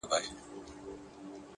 خاموش پرمختګ تر ښکاره خبرو قوي دی،